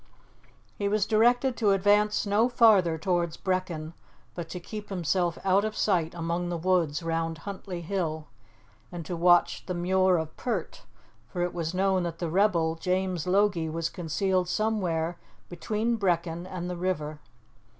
He was directed to advance no farther towards Brechin, but to keep himself out of sight among the woods round Huntly Hill, and to watch the Muir of Pert, for it was known that the rebel, James Logie, was concealed somewhere between Brechin and the river.